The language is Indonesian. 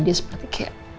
jadi dia seperti kayak